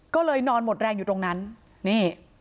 ก็เลยนอนหมดแรงอยู่ตรงนั้นนี่